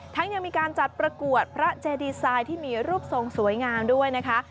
ยังมีการจัดประกวดพระเจดีไซน์ที่มีรูปทรงสวยงามด้วยนะคะ